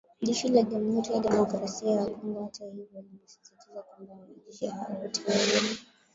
Jeshi la Jamuhuri ya Demokrasia ya Kongo hata hivyo linasisitiza kwamba wanajeshi hao wawili